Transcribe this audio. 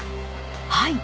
はい。